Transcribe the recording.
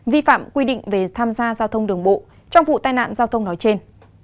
vi phạm quy định về tham gia giao thông đường bộ trong vụ tai nạn giao thông nói trên